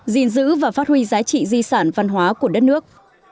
gìn giữ và phát huy giá trị di sản văn hóa của đất nước